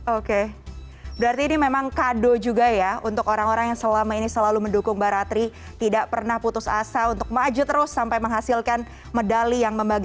oke berarti ini memang kado juga ya untuk orang orang yang selama ini selalu mendukung mbak ratri tidak pernah putus asa untuk maju terus sampai menghasilkan medali yang membagi